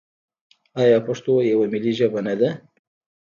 آیا پښتو یوه ملي ژبه نه ده؟